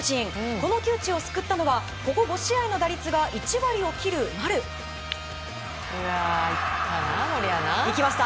この窮地を救ったのはここ５試合の記録が１割を切る丸。いきました！